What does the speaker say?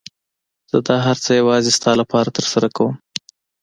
زه دا هر څه يوازې ستا لپاره ترسره کوم.